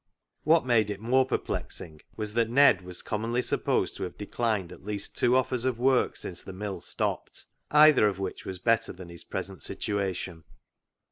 What made it more perplexing was that Ned was commonly supposed to have declined at least two offers of work since the mill stopped, either of which was better than his present situation.